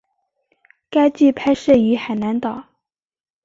该剧拍摄于海南岛。